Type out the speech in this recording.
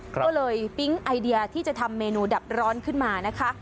ก็เลยปิ๊งไอเดียที่จะทำเมนูดับร้อนขึ้นมานะคะ